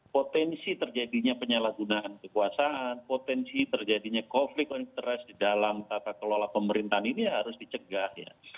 potensi terjadinya penyalahgunaan kekuasaan potensi terjadinya konflik of interest di dalam tata kelola pemerintahan ini harus dicegah ya